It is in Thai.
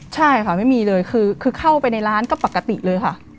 ใช่ค่ะไม่มีเลยคือเข้าไปในร้านก็ปกติเลยค่ะ